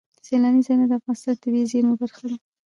سیلانی ځایونه د افغانستان د طبیعي زیرمو برخه ده.